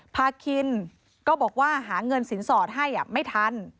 พาคินก็บอกว่าหาเงินสินสอดให้ไม่ทัน